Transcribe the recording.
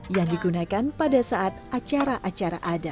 yang digunakan pada saat acara acara ada